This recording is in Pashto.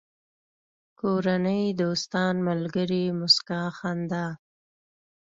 کورنۍ، دوستان، ملگري، موسکا، خندا